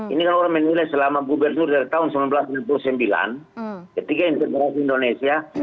ini kan orang menulis selama gubernur dari tahun seribu sembilan ratus sembilan puluh sembilan ketika yang terbangun indonesia